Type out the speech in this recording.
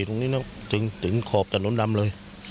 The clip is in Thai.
ตรงนี้ถึงขอบถนนดำเลย